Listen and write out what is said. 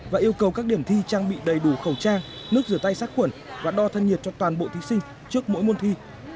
và yêu cầu các điểm thi trang bị đầy đủ khẩu trang nước rửa tay sát khuẩn và đo thân nhiệt cho toàn bộ thí sinh trước mỗi môn thi